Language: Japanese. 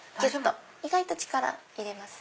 意外と力入れます。